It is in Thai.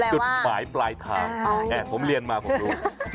จุดหมายปลายทางผมเรียนมาผมรู้